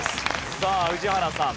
さあ宇治原さん。